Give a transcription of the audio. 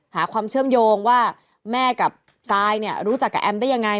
หาความเชื่อมโยงว่าแม่กับซายรู้จักแอมได้อย่างไร